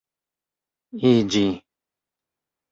iĝi